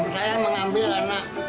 saya mengambil anak